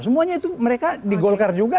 semuanya itu mereka di golkar juga